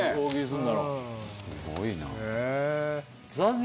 すごいな。